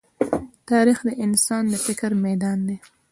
تاریخ د انسان د فکر ميدان دی.